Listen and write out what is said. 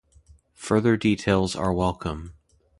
Further details are welcome!